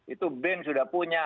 itu ben sudah punya